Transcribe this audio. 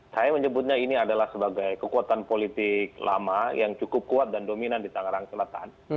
saya menyebutnya ini adalah sebagai kekuatan politik lama yang cukup kuat dan dominan di tangerang selatan